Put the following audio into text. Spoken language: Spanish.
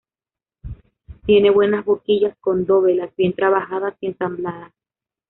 Tiene buenas boquillas con dovelas bien trabajadas y ensambladas.